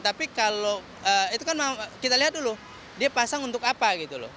tapi kalau itu kan kita lihat dulu dia pasang untuk apa gitu loh